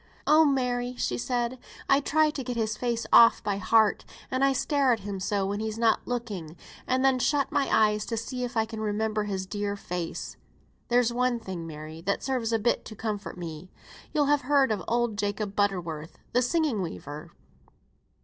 "Oh Mary!" she said, "I try to get his face off by heart, and I stare at him so when he's not looking, and then shut my eyes to see if I can remember his dear face. There's one thing, Mary, that serves a bit to comfort me. You'll have heard of old Jacob Butterworth, the singing weaver?